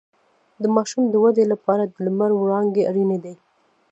د ماشوم د ودې لپاره د لمر وړانګې اړینې دي